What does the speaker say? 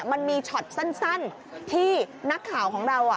มันมีช็อตสั้นที่นักข่าวของเรา